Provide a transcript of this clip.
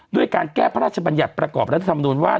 ด้วยการแก้พระราชบัญญัติประกอบรัฐธรรมนุนว่า